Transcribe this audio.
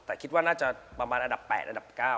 แต่คิดว่าน่าจะประมาณอันดับ๘อันดับ๙